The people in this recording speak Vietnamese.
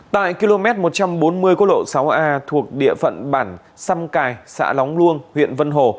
tại km một trăm bốn mươi quốc lộ sáu a thuộc địa phận bản xăm cài xã lóng luông huyện vân hồ